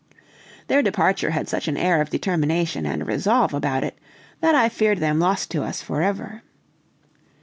Their departure had such an air of determination and resolve about it, that I feared them lost to us forever.